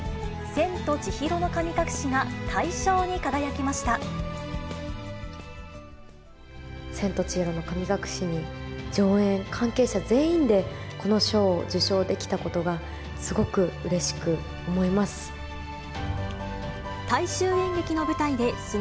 千と千尋の神隠しに、上演関係者全員で、この賞を受賞できたことが、すごくうれしく思います。